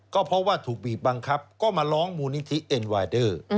ก็เพราะว่าถูกบีบบังคับก็มาร้องมูลนิธิเอ็นไวเดอร์